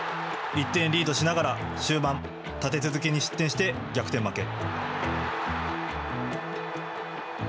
１点リードしながら、終盤立て続けに失点して逆転負け。